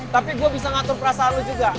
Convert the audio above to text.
tapi gue bisa ngatur perasaan lu juga